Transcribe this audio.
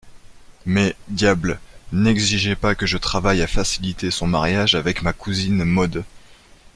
Mais, diable ! n'exigez pas que je travaille à faciliter son mariage avec ma cousine Maud.